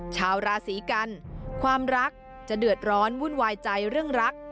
ชาวราศีกันความรักจะเดือดร้อนวุ่นวายใจเรื่องรัก